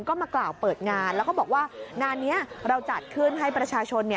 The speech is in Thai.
ก็มากล่าวเปิดงานแล้วก็บอกว่างานนี้เราจัดขึ้นให้ประชาชน